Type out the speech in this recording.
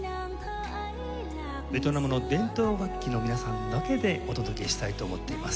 ベトナムの伝統楽器の皆さんだけでお届けしたいと思っています。